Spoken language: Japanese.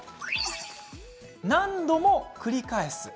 何度も繰り返す。